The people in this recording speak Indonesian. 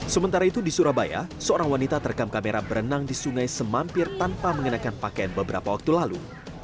sementara itu di surabaya seorang wanita terekam kamera berenang di sungai semampir tanpa mengenakan pakaian beberapa waktu lalu